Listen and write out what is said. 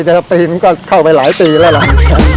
ทีละปีมันก็เข้าไปหลายปีแล้วหรอก